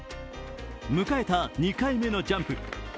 迎えた２回目のジャンプ。